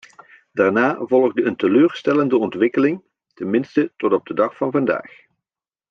Daarna volgde een teleurstellende ontwikkeling, tenminste tot op de dag van vandaag.